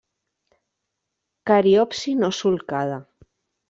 Cariopsi no solcada.